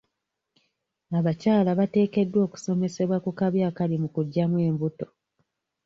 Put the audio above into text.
Abakyala bateekeddwa okusomesebwa ku kabi akali mu kuggyamu embuto.